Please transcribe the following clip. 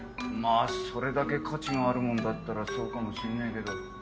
まあそれだけ価値があるもんだったらそうかもしんねえけど。